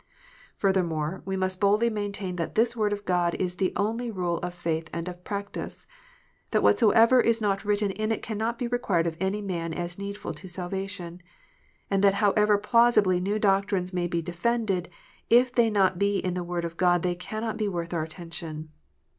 Furthermore, we must boldly maintain that this Word of God is the only rule of faith and of practice, that whatsoever is not written in it cannot be required of any man as needful to salvation, and that however plausibly new doctrines may be defended, if they be not in the Word of God they cannot be worth our attention.